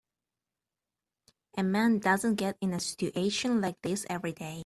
A man doesn't get in a situation like this every day.